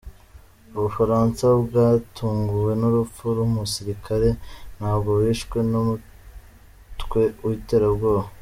U Bufaransa bwatunguwe n’urupfu rw’umusirikare wabwo wishwe na numutwe witera bwoba